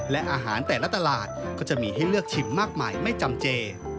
และอาหารแต่ละตลาดก็จะมีให้เลือกชิมมากมายไม่จำเจ